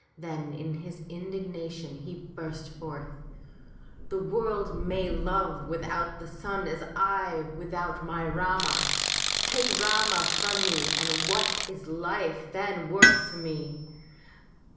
Then in his indignation he burst forth: The world may live without the sun as well as I without my Rama! Take Rama from me and what is life then worth to me?